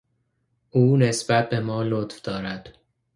او نسبت بما لطف دارد.